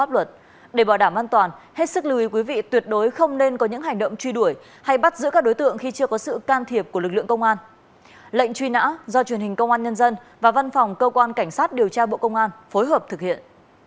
lệnh truy nã do truyền hình công an nhân dân và văn phòng cơ quan cảnh sát điều tra bộ công an phối hợp thực hiện